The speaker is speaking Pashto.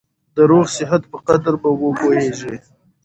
د روغ صحت په قدر به وپوهېږې !